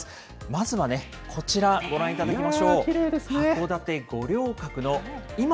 まずはね、こちらご覧いただきま